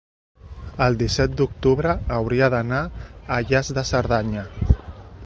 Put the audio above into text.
el disset d'octubre hauria d'anar a Lles de Cerdanya.